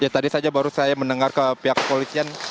tadi saja baru saya mendengar ke pihak kepolisian